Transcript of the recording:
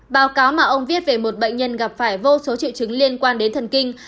báo cáo mà ông viết về một bệnh nhân gặp phải vô số triệu chứng liên quan đến thần kinh